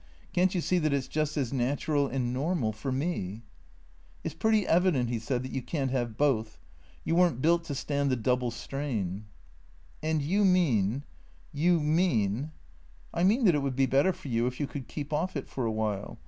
Can't you see that it 's just as natural and normal — for me ?"" It 's pretty evident," he said, " that you can't have both. You were n't built to stand the double strain "" And you mean — you mean "" I mean that it would be better for you if you could keep off it for a while.